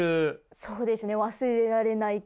そうですね。